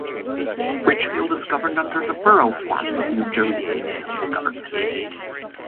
Ridgefield is governed under the Borough form of New Jersey municipal government.